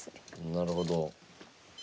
なるほど。